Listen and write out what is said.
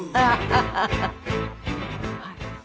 はい。